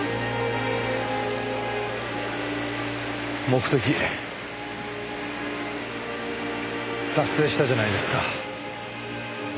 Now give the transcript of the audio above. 目的達成したじゃないですか。